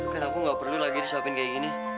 kan aku gak perlu lagi disuapin kayak gini